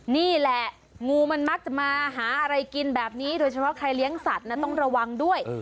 นี่แหละงูมันมักจะมาหาอะไรกินแบบนี้โดยเฉพาะใครเลี้ยงสัตว์นะต้องระวังด้วย